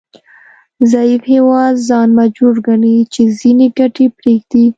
ضعیف هیواد ځان مجبور ګڼي چې ځینې ګټې پریږدي